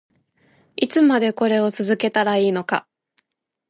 いつまでこれを続けたらいいのか